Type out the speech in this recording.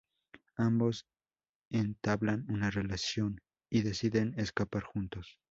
Ambos entablan una relación y deciden escapar juntos.